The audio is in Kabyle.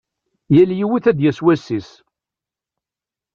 Yal yiwet ad d-yas wass-is.